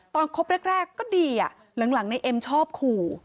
ตอนคบแรกก็ดีอะหลังนายเอ็มชอบขู่